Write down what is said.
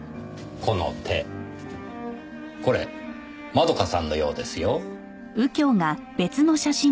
この手これ円香さんのようですよ。